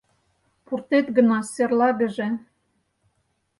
Пуртет гына серлагыже.